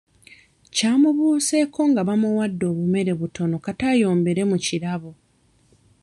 Kyamubuseeko nga bamuwadde obumere obutono kata ayombere mu kirabo.